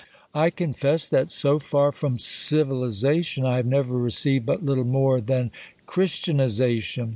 I confess, that, so far from civilization, T have never received but little more than christianization.